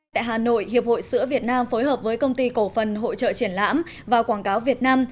tại hà nội hiệp hội sữa việt nam phối hợp với công ty cổ phần hội trợ triển lãm và quảng cáo việt nam